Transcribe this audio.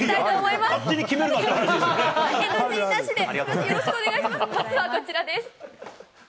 まずはこちらです。